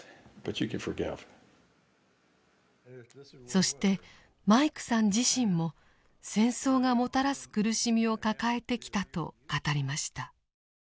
そしてマイクさん自身も戦争がもたらす苦しみを抱えてきたと語りました。